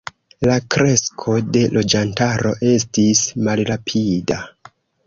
La kresko de loĝantaro estis malrapida.